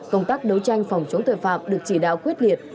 công tác đấu tranh phòng chống tội phạm được chỉ đạo quyết liệt